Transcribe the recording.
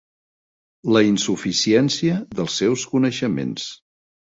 La insuficiència dels seus coneixements.